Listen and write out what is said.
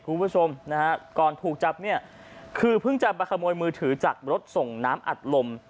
คุณผู้ชมนะฮะก่อนถูกจับเนี่ยคือเพิ่งจะมาขโมยมือถือจากรถส่งน้ำอัดลม